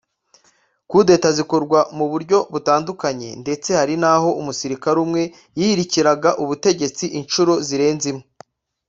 Coups d’état zikorwa mu buryo butandukanye ndetse hari aho umusirikare umwe yahirikaga ubutegetsi inshuro zirenze imwe